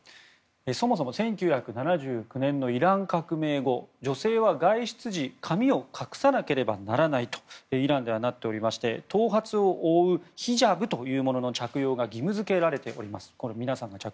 そもそも１９７９年のイラン革命後女性は外出時髪を隠さなければならないとイランではなっておりまして頭髪を覆うヒジャブというものの着用が義務付けられております。